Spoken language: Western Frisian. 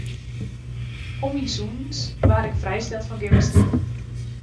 Om myn sûnens waard ik frijsteld fan gymnastyk.